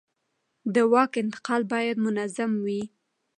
د واک انتقال باید منظم وي